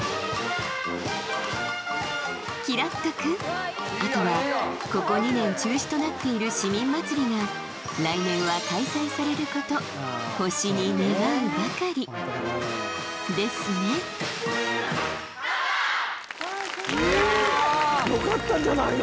きらっと君あとはここ２年中止となっている市民まつりが来年は開催されること星に願うばかりですねいやよかったんじゃないの？